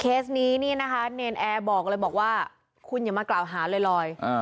นี้นี่นะคะเนรนแอร์บอกเลยบอกว่าคุณอย่ามากล่าวหาลอย